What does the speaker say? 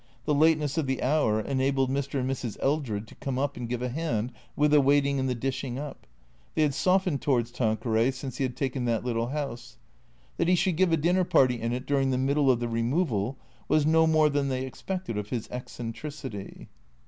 The lateness of the hour enabled Mr. and Mrs. Eldred to come up and give a hand with the waiting and the dishing up. They had softened towards Tanqueray since he had taken that little house. That he should give a dinner party in it during the middle of the removal was no more than they expected of his eccentricity.